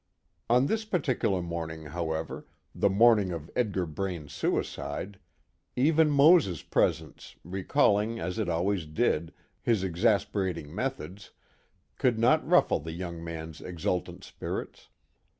On this particular morning, however, the morning of Edgar Braine's suicide even Mose's presence, recalling, as it always did, his exasperating methods, could not ruffle the young man's exultant spirits.